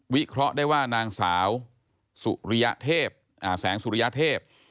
เคราะห์ได้ว่านางสาวสุริยเทพแสงสุริยเทพ